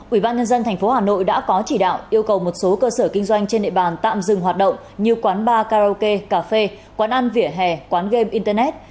ủy ban nhân dân tp hà nội đã có chỉ đạo yêu cầu một số cơ sở kinh doanh trên địa bàn tạm dừng hoạt động như quán bar karaoke cà phê quán ăn vỉa hè quán game internet